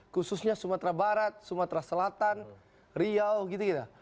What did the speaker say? khususnya sumatera barat sumatera selatan riau gitu gitu